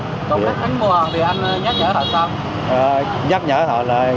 công an anh mua hàng thì anh nhắc nhở họ sao